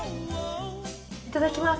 いただきます。